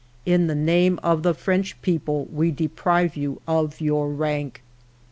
In the name of the French people, we deprive you of your rank.'